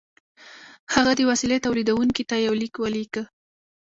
هغه د وسیلې تولیدوونکي ته یو لیک ولیکه